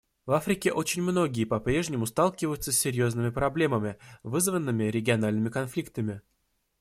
В Африке очень многие по-прежнему сталкиваются с серьезными проблемами, вызванными региональными конфликтами.